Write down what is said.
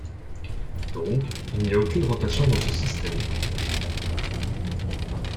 Donc, il n'y a aucune rotation dans ce système.